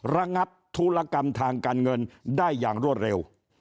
ระงับธุรกรรมทางการเงินได้อย่างรวดเร็ว